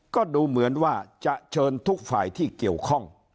ก็ดูเหมือนว่าจะเชิญทุกฝ่ายที่เกี่ยวข้อง